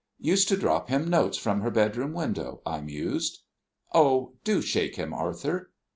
"Used to drop him notes from her bedroom window," I mused. "Oh, do shake him, Arthur."